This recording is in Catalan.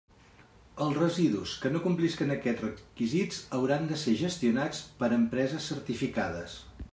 Els residus que no complisquen aquests requisits hauran de ser gestionats per empreses certificades.